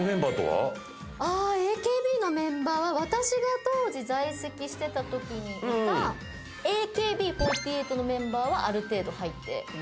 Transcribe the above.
ＡＫＢのメンバーは私が当時在籍してたときにいたＡＫＢ４８のメンバーはある程度入っています。